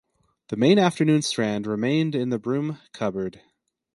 The main afternoon strand remained in the Broom Cupboard.